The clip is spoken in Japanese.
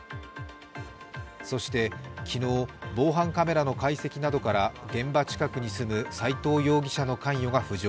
そして昨日、防犯カメラの解析などから現場近くに住む斎藤容疑者の関与が浮上。